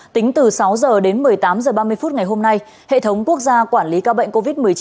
tính từ sáu h đến một mươi tám h ba mươi phút ngày hôm nay hệ thống quốc gia quản lý ca bệnh covid một mươi chín